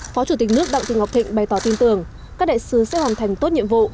phó chủ tịch nước đặng thị ngọc thịnh bày tỏ tin tưởng các đại sứ sẽ hoàn thành tốt nhiệm vụ